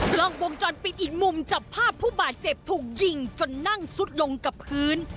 กล้องวงจรปิดอีกมุมจับภาพผู้บาดเจ็บถูกยิงจนนั่งซุดลงกับพื้น